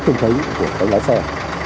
thường thấy của tên lái xe